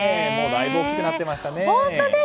だいぶ大きくなってましたね。